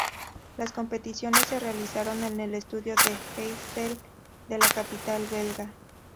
Las competiciones se realizaron en el Estadio de Heysel de la capital belga.